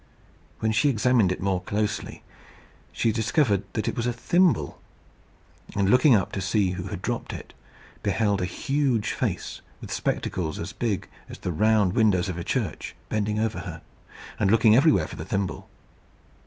When she examined it more closely, she discovered that it was a thimble; and looking up to see who had dropped it, beheld a huge face, with spectacles as big as the round windows in a church, bending over her, and looking everywhere for the thimble.